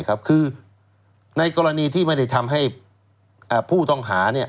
คือในกรณีที่ไม่ได้ทำให้ผู้ต้องหา